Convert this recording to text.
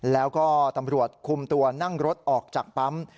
แล้วก็ตำรวจคุมตัวนั่งรถออกจากปั๊ม